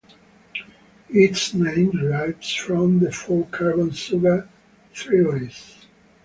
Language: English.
Its name derives from the four-carbon sugar, threose.